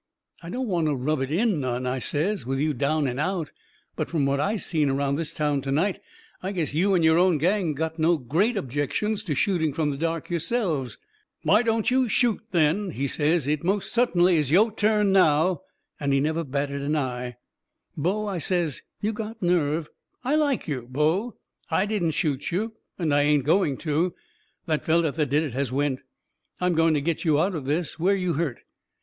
"I don't want to rub it in none," I says, "with you down and out, but from what I seen around this town to night I guess you and your own gang got no GREAT objections to shooting from the dark yourselves." "Why don't yo' shoot then?" he says. "It most suttinly is YO' turn now." And he never batted an eye. "Bo," I says, "you got nerve. I LIKE you, Bo. I didn't shoot you, and I ain't going to. The feller that did has went. I'm going to get you out of this. Where you hurt?"